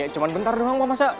cuman bentar doang pak mas